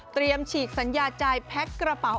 ฉีกสัญญาใจแพ็คกระเป๋า